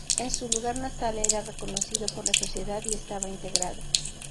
En su lugar natal era reconocido por la sociedad y estaba integrado.